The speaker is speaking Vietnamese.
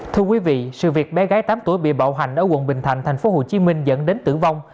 thưa quý vị sự việc bé gái tám tuổi bị bạo hành ở quận bình thạnh tp hcm dẫn đến tử vong